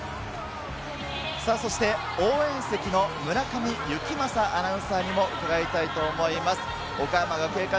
そして応援席の村上幸政アナウンサーにも伺いたいと思います。